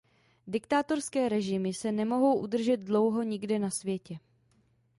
Diktátorské režimy se nemohou udržet dlouho nikde na světě.